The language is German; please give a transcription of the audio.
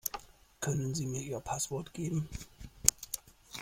Können sie mir ihr Passwort geben?